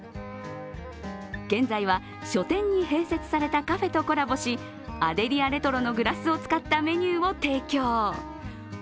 現在は書店に併設されたカフェとコラボし、アデリアレトロのグラスを使ったメニューを提供。